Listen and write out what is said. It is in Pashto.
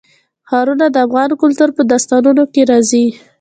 ښارونه د افغان کلتور په داستانونو کې راځي.